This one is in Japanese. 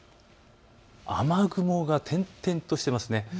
雨雲が点々としていますね。